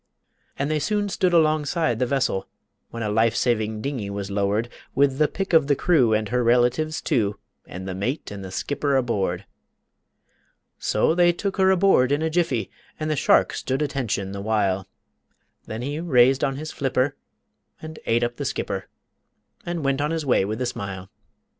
And they soon stood alongside the vessel, When a life saving dingey was lowered With the pick of the crew, and her relatives, too, And the mate and the skipper aboard. So they took her aboard in a jiffy, And the shark stood attention the while, Then he raised on his flipper and ate up the skipper And went on his way with a smile.